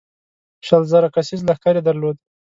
شل زره کسیز لښکر یې درلود.